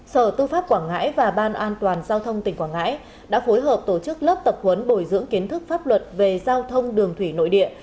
sở tư pháp quảng ngãi và ban an toàn giao thông tỉnh quảng ngãi đã phối hợp tổ chức lớp tập huấn bồi dưỡng kiến thức pháp luật về giao thông đường thủy nội địa